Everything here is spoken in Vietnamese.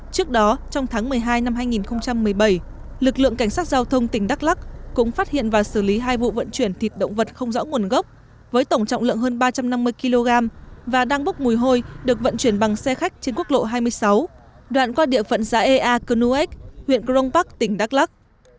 trước đó trong tháng một mươi hai năm hai nghìn một mươi bảy lực lượng cảnh sát giao thông tỉnh đắk lắc cũng phát hiện và xử lý hai vụ vận chuyển thịt động vật không rõ nguồn gốc với tổng trọng lượng hơn ba trăm năm mươi kg và đang bốc mùi hôi được vận chuyển bằng xe khách trên quốc lộ hai mươi sáu đoạn qua địa phận giá ea cơ nu ếch huyện crong park tỉnh đắk lắc